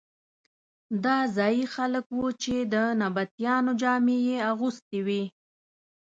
دا ځايي خلک وو چې د نبطیانو جامې یې اغوستې وې.